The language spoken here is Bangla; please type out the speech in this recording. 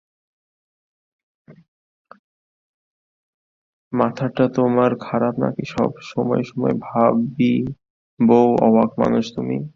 মাথাটা তোমার খারাপ নাকি সময় সময় তাই ভাবি বৌ, অবাক মানুষ তুমি।